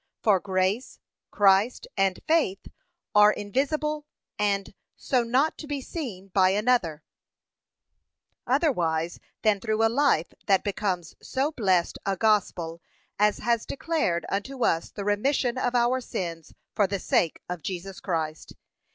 For grace, Christ, and faith, are things invisible, and so not to be seen by another, otherwise than through a life that becomes so blessed a gospel as has declared unto us the remission of our sins for the sake of Jesus Christ.